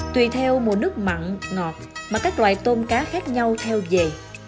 tùy theo mùa nước mặn ngọt mà các loài tôm cá khác nhau theo về